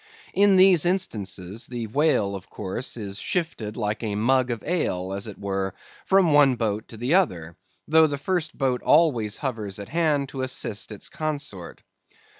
In these instances, the whale of course is shifted like a mug of ale, as it were, from the one boat to the other; though the first boat always hovers at hand to assist its consort.